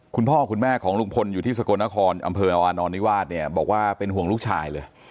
คุณพ่อคุณแม่ของลุงพลอยู่ที่สกลนครอำเภอวาอานอนนิวาสเนี่ยบอกว่าเป็นห่วงลูกชายเลย